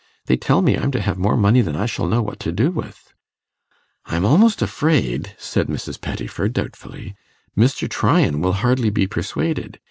They tell me I'm to have more money than I shall know what to do with.' 'I'm almost afraid,' said Mrs. Pettifer, doubtfully, 'Mr. Tryan will hardly be persuaded.